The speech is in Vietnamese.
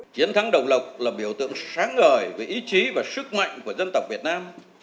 chiến thắng đồng lộc là biểu tượng sáng ngời về ý chí và sức mạnh của dân tộc việt nam